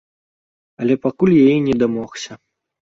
Але пакуль яе не дамогся.